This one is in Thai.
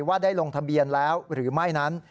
ว่าได้ลงทะเบียนแล้วหรือไม่นั้น